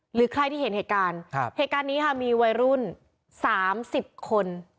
หรือใครที่เห็นเหตุการณ์เหตุการณ์นี้ค่ะมีวัยรุ่น๓๐คน